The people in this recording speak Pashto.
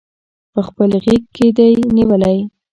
پخپل غیږ کې دی نیولي